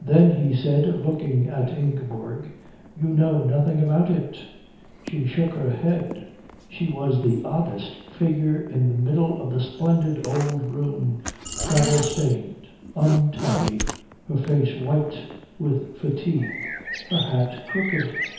"Then," he said, looking at Ingeborg, "you know nothing about it?" She shook her head. She was the oddest figure in the middle of the splendid old room, travel stained, untidy, her face white with fatigue, her hat crooked.